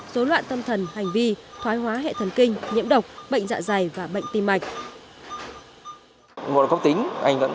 dối loạn tâm thần hành vi thoái hóa hệ thần kinh nhiễm độc bệnh dạ dày và bệnh tim mạch